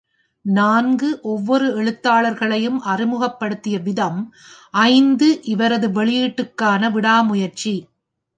நான்கு, ஒவ்வொரு எழுத்தாளர்களையும் அறிமுகப்படுத்திய விதம், ஐந்து, இவரது வெளியீட்டுக்கான விடாமுயற்சி.